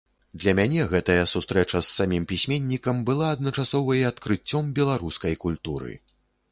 Для мяне гэтая сустрэча з самім пісьменнікам была адначасова і адкрыццём беларускай культуры.